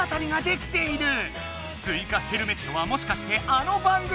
スイカヘルメットはもしかしてあの番組⁉